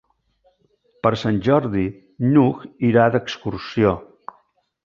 Per Sant Jordi n'Hug irà d'excursió.